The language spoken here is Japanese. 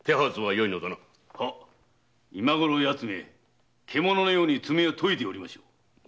今ごろ奴め獣のように爪を研いでおりましょう。